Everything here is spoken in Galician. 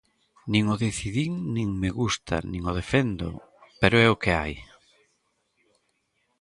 Nin o decidín, nin me gusta, nin o defendo pero é o que hai.